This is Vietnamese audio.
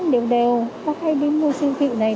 đều đều các hay đến mua siêu thị này